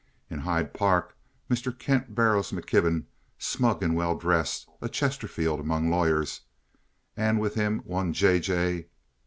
In Hyde Park, Mr. Kent Barrows McKibben, smug and well dressed, a Chesterfield among lawyers, and with him one J. J.